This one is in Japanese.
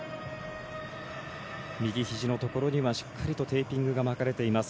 右ひじのところにはしっかりとテーピングが巻かれています。